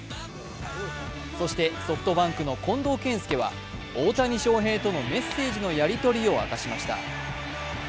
そしてソフトバンクの近藤健介は大谷翔平とのメッセージのやりとりを明かしました。